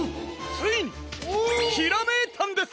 ついにひらめいたんです！